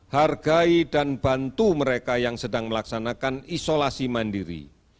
hargai dan bantu mereka yang sedang melaksanakan isolasi mandiri